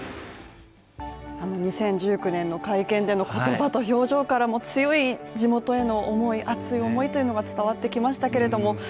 あの２０１９年の会見での言葉と表情からも強い地元への思い、熱い思いというのが伝わってきましたけれども